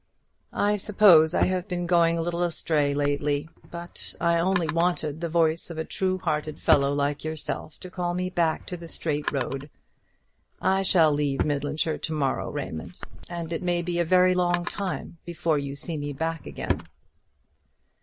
"I suppose I have been going a little astray lately; but I only wanted the voice of a true hearted fellow like you to call me back to the straight road. I shall leave Midlandshire to morrow, Raymond; and it may be a very long time before you see me back again."